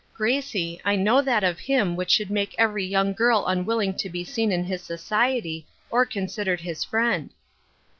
Gracie, I know that of him which should make every young girl unwilling to be seen in his society or considered his friend."